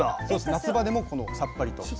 夏場でもこのさっぱりと。